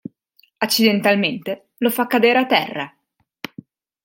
Accidentalmente, lo fa cadere a terra.